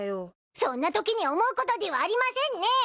そんなときに思うことでぃはありませんね！